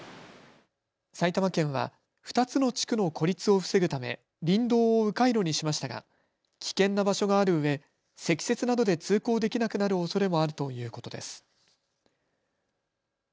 埼玉県は２つの地区の孤立を防ぐため、林道をう回路にしましたが危険な場所があるうえ積雪などで通行できなくなるおそれもあるということです。